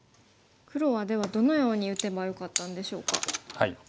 黒はではどのように打てばよかったんでしょうか。